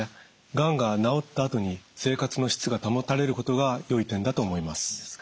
がんが治ったあとに生活の質が保たれることがよい点だと思います。